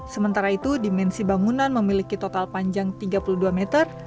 sementara itu dimensi bangunan memiliki total panjang tiga puluh dua meter